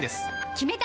決めた！